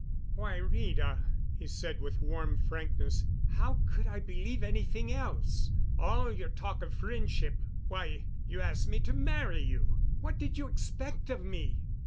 "Why, Rita," he said with warm frankness, "how could I believe anything else? All your talk of friendship; why, you asked me to marry you. What did you expect of me?"